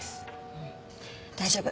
うん大丈夫。